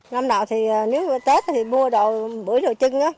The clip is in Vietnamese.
năm nào thì nếu tết thì mua bưởi đồ chưng